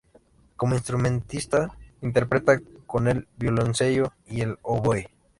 Como instrumentista interpretaba con el violonchelo y el oboe.